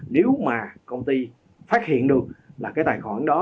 nếu mà công ty phát hiện được là cái tài khoản đó